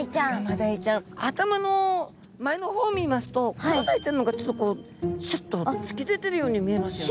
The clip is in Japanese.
頭の前の方見ますとクロダイちゃんの方がちょっとこうシュッと突き出てるように見えますよね。